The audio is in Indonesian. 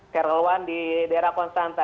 karolan di daerah konstanta